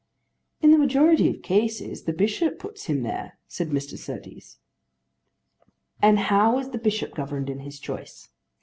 "In the majority of cases the bishop puts him there," said Mr. Surtees. "And how is the bishop governed in his choice?